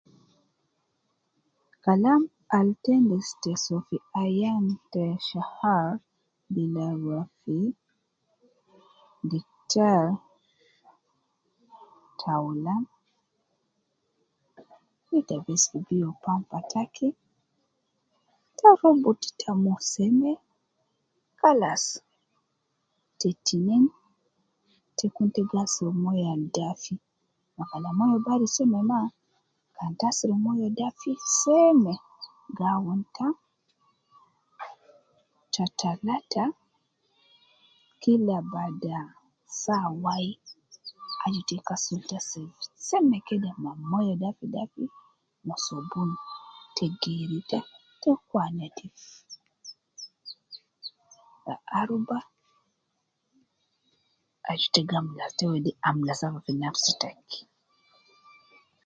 Kalam , al ita endis ta so bila ruwa fi diktari fi ayan ta shahar, ta awulan aju kede ita biyo pampa taki , ita kede robutu ita mo seme, kalas. Ta tinin ya asurubu moyo al dafidafi , kalam moyo al bari seme mafi, kan ita asurubu moyo al dafidafi bi awun ita. Ta talata kila baada saa wayi aju kede ita kasulu ita seme ma moyo dafidafi , ma sobun, ita kede geeri ita, kuwa nedif. Ta aruba aju kede ita amula safa fi nafsi taaki.